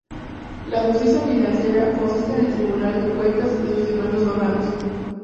La justicia financiera consiste en el Tribunal de Cuentas y sus diversos órganos.